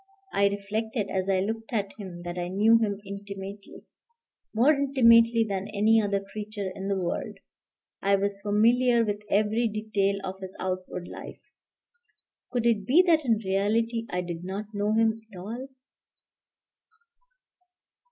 I reflected as I looked at him that I knew him intimately, more intimately than any other creature in the world, I was familiar with every detail of his outward life; could it be that in reality I did not know him at all?